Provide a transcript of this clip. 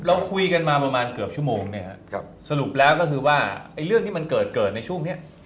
แล้วคุยกันมาประมาณเกือบชั่วโมงสรุปแล้วก็คือว่าเรื่องที่มันเกิดในช่วงนี้